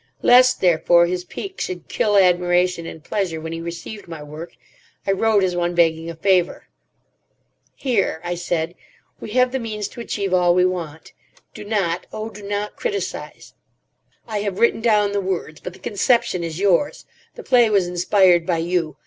Lest, therefore, his pique should kill admiration and pleasure when he received my work, I wrote as one begging a favour. "Here," I said, "we have the means to achieve all we want. Do not—oh, do not—criticise. I have written down the words. But the conception is yours. The play was inspired by you.